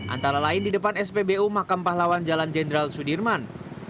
antara lain di depan spbu makam pahlawan jalan jenderal sudirman